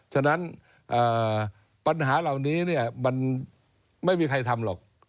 ฉะนั้นปัญหาเหล่านี้มันไม่มีใครทำหรอก